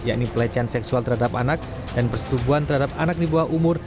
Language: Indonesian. yakni pelecehan seksual terhadap anak dan persetubuhan terhadap anak di bawah umur